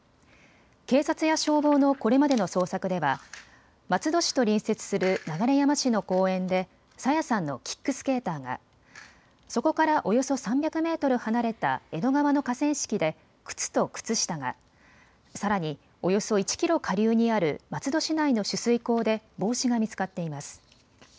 警察や消防のこれまでの捜索では松戸市と隣接する流山市の公園で朝芽さんのキックスケーターが、そこからおよそ３００メートル離れた江戸川の河川敷で靴と靴下が、さらにおよそ１キロ下流にある松戸市内の取水口で帽子が見つかっています。